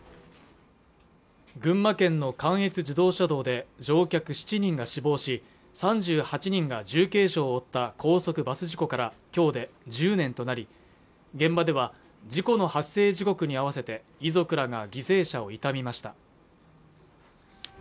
群馬県の関越自動車道で乗客７人が死亡し、３８人が重軽傷を負った高速バス事故からきょうで１０年となり現場では事故の発生時刻に合わせて遺族らが犠牲者を悼みました